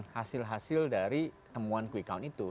hasil hasil dari temuan quick count itu